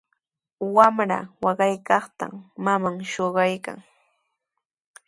Wamra waqaykaqta maman shuqaykan.